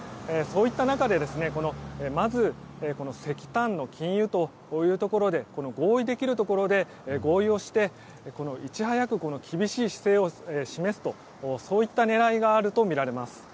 そういった中でまず石炭の禁輸というところで合意できるところで合意をしていち早く厳しい姿勢を示すそういった狙いがあるとみられます。